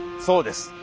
そうです。